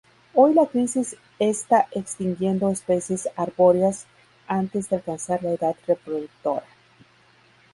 Hoy la crisis esta extinguiendo especies arbóreas antes de alcanzar la edad reproductora.